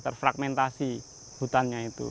terfragmentasi hutannya itu